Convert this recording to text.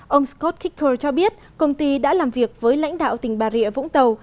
ông scott kicker cho biết công ty đã làm việc với lãnh đạo tỉnh bà rịa vũng tàu